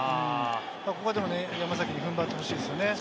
ここでも山崎に踏ん張ってほしいですね。